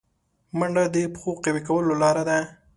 منډه د پښو قوي کولو لاره ده